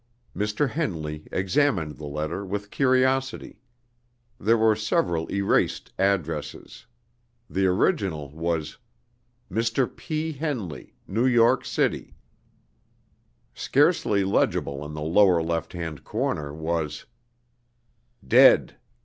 Mr. Henley examined the letter with curiosity. There were several erased addresses. The original was: "Mr. P. Henley, New York City." Scarcely legible, in the lower left hand corner, was: "_Dead.